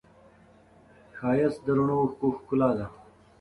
ښایست د رڼو اوښکو ښکلا ده